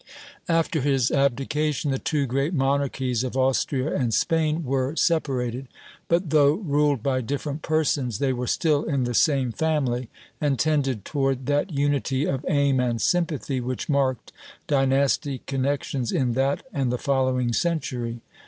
After his abdication the two great monarchies of Austria and Spain were separated; but though ruled by different persons, they were still in the same family, and tended toward that unity of aim and sympathy which marked dynastic connections in that and the following century.